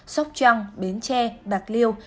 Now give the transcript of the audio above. sóc trăng bến tre bạc liêu